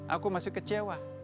aku masih kecewa